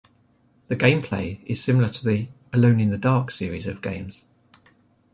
The gameplay is similar to the "Alone in the Dark" series of games.